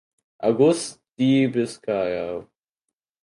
August die Biskaya.